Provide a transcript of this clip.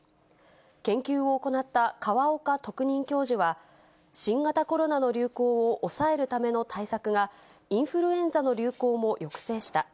研究を行った河岡特任教授は、新型コロナの流行を抑えるための対策が、インフルエンザの流行も抑制した。